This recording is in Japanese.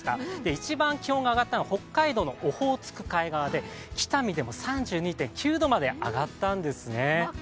一番気温が上がったのは北海道のオホーツク海側で北見でも３２．９度まで上がったんですね。